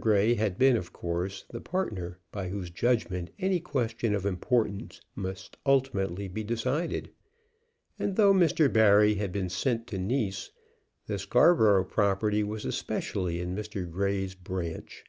Grey had been, of course, the partner by whose judgment any question of importance must ultimately be decided; and, though Mr. Barry had been sent to Nice, the Scarborough property was especially in Mr. Grey's branch.